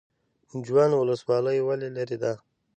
جوند ولسوالۍ ولې لیرې ده؟